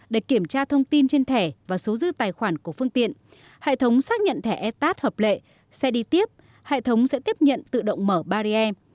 để kiểm tra thông tin trên thẻ và số dư tài khoản của phương tiện hệ thống xác nhận thẻ etat hợp lệ xe đi tiếp hệ thống sẽ tiếp nhận tự động mở barrier